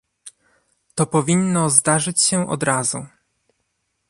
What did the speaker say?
To powinno zdarzyć się od razu